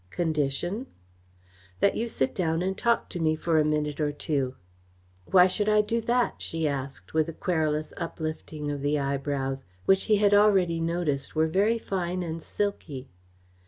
"Condition?" "That you sit down and talk to me for a minute or two." "Why should I do that?" she asked, with a querulous uplifting of the eyebrows, which he had already noticed were very fine and silky.